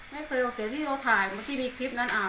ไม่เคยเอาแต่ที่เราถ่ายที่มีคลิปนั้นอ่ะ